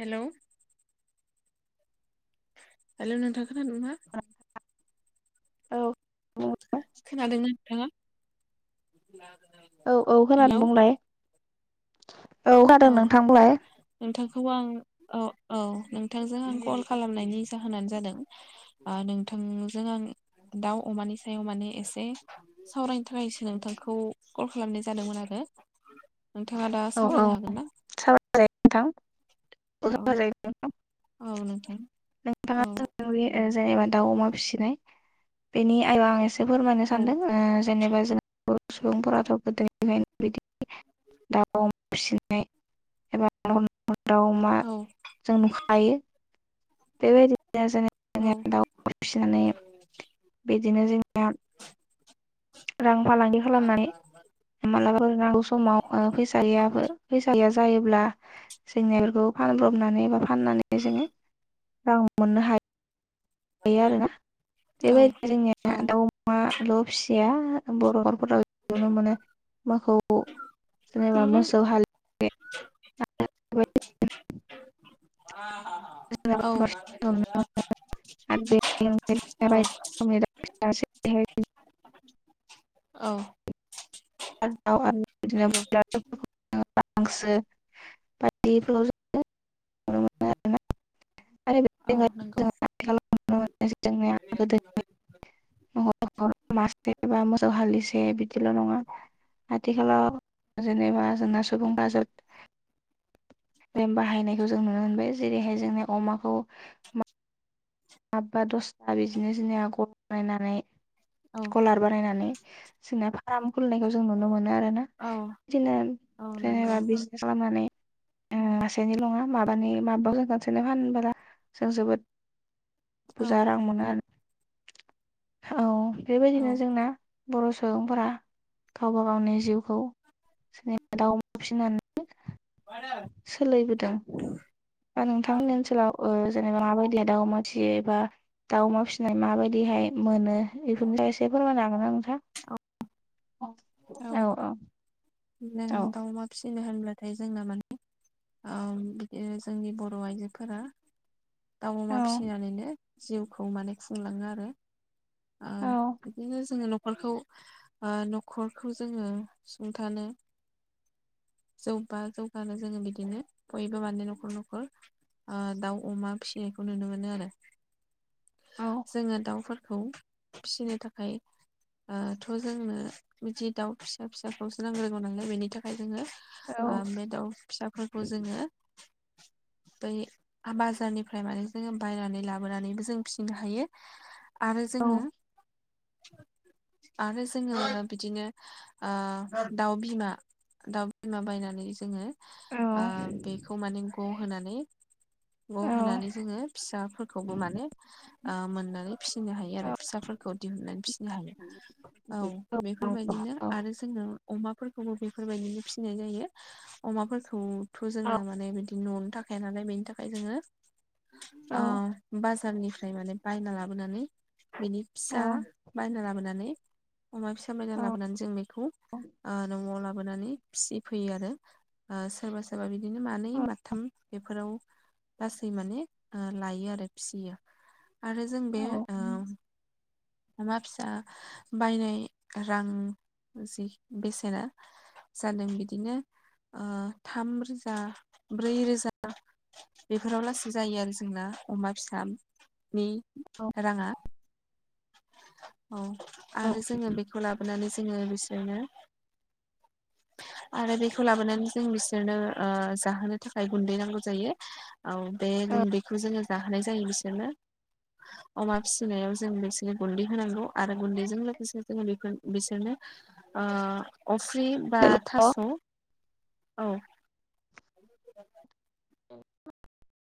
हेल' hello नोंथां खोनादों ना? औ। खोनादों ना नोंथाङा? औ औ हेलौ खोनादों बुंलाय। औ औ खोनादों नोंथां बुंलाय नोंथांखौ आं औ औ नोंथांजों आं कल खालामनायनि जाहोनानो जादों नोंथांजों आं दाउ अमानि सायाव माने एसे सावरायनो थाखायसो नोंथांखौ कल खालामनाय जादोंमोन आरो नोंथाङा दा औ औ सावरायनो हागोन ना साय जायो नोंथां औ साव जायो। [inaudible] औ नोंथां। नोंथाङा औ स [inaudible] जेनेबा दाउ अमा फिसिनाय बेनि आय आं ए [inaudible] फोरमायनो औ सानदों जेनेबा जों बर' सुबुंफोराथ' गोदोनिफायनो बिदि दाउ अमा फिसिनाय एबा दाउ अमा [unintelligible] औ‌। जों नुखायो। बेबायदि [unintelligible] औ दाउ अमा फिसिनानै बिदिनो जोंना रां फालांगि खालामनानै माबलाबा नांगौ समाव फैसा गैया फैसा गैया जायोब्ला सेनेलखौ फानब्रबनानै बा फाननानै जोङो रां मोननो हायो। ए आरोना बेबायदि औ जोंनिया दाउ अ माल' फिसिया बर'फोराव नुनो मोनो मोखौ जेनेबा मोसौ हाल मा [unintelligible] [unintelligible] आरो बे [unintelligible] औ। द नंगौ आरो बिदिनो हांसो बायदिाव [unintelligible] [unintelligible] आरो औ नंगौ। आथिखालाव नुनो मोनो न मासे बा मोसौ हालिसे बिदिल' नङा? आथिखालाव जेनेबा जोंना सुबुंफ्रा जोब नेम बाहायनायखौ जों नुनो मोनो बे जेरैहाय जोंनि अमाखौ माबबा दसथा बिदिनो जोंनिया गथा बायनानै औ। कुलार बानायनानै सोंनाय फाराम खुलिनायखौ जों नुनो मोनो आरोना औ बिदिनो औ नंगौ जेनेबा बिजेनेस खालामनानै मासेनिल' नङा माबानि माबाबो जों खसेनो फानबोला जों जोबोद औ बुरजा रां मोनो आरो औ बेबायदिनो औ जोंना बर' सुबुंफोरा गावबा गावनि जिउखौ जेनेबा दाव फिनानैबो सोलिबोदों दा नोंथांमोननि ओनसोलाव ओ जेनेबा माबायदि दाउ अमा फिसियोबा दाव अमा फिसिनाय माबायदिहाय मोनो बेफोरनि फाय फोरमायनो हागोन नोंथां औ औ द औ दाव म [unintelligible] फिसिनो होनब्लाथाय जोंना माने औ बिदि जोंनि बर' आइजोफोरा दाउ अमा फिनानैनो जिउखौ माने खुंलाङो आरो ओ औ बिदिनो जोंङो न'खरखौ ओ न'खरखौ जोंङो सुं थानो जौबा जौगानो जोङो बिदिनो बयबो माने न'खर न'खर ओ दाउ अमा फिनायखौ नुनो मोनो आरो औ जोङो दाउफोरखौ फिनो थाखाय ओ थ' जोंनो बिदि दाउ फिसा फिसा खौसो नांग्रोंगौ नोंलाय बेनि थाखाय जोङो औ ओ बे दाउ फिसाफोरखौ जोङो बै आमबाजारनिफ्राय माने जोङो बायनानै लाबोनानैबो जों फिसिनो हायो आरो औ जोंङो आरो जोङो बिदिनो ओ दाउ बिमा दाउ बिमा बायनानै जोंङो आ बे बेखौ माने ग होनानै ग औ होनानै जोङो फिसाफोरखौबो माने ओ मोननो फिसिनो हायो आरो फिसाफोरखौ दिहुनानै फिसिनो औ बेफोरबायदिनो आरो जोंनो अमाफोरखौबो बेफोरबायदिनो फिसिनाय जायो अमाफोरखौथ' जोंना माने बिदि न'आवनो थाखाया नालाय बेनि थाखाय जोङो औ ओ बाज बाजारनिफ्राय माने बायना लाबोनानै बिनि फिसा बायना लाबोनानै अमा फिसा बायना लाबोनानै जों बेखौ औ ओ न'आव लाबोनानै फिसिफैयो आरो ओ सोरबा सोरबा बिदिनो मानै माथाम बेफोराव लासै माने ओ लायो आरो फियो आरो जों बे औ ओ अमा फिसा बायनाय रां जि बेसेना जादों बिदिनो ओ थाम रोजा ब्रै रोजा बेफोराव लासै जायो आरो जोंना अमा फिसानि राङा औ औ आरो जोंङो बेखौ लाबोनानै जोङो बिसोरनो आरो बेखौ लाबोनानै जों बिसोरनो ओ जाहोनो थाखाय गुन्दै नांगौ जायो औ बे गुन्दैखौ जोङो जाहोनाय जायो बिसोरनो अमा फिसिनायाव जों बिसि नों गुन्दै होनांगौ आरो गुन्दैजों लोगोसे जोङो बेफोर बिसोरनो ओ अफ्रि बा थास' हेल' औ [inaudible]